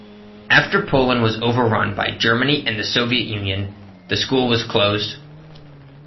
After Poland was overrun by Germany and the Soviet Union, the school was closed.